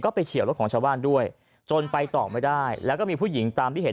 ไปเฉียวรถของชาวบ้านด้วยจนไปต่อไม่ได้แล้วก็มีผู้หญิงตามที่เห็น